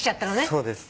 そうです。